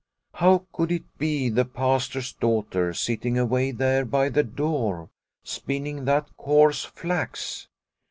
" How could it be the Pastor's daughter sitting away there by the door, spinning that coarse flax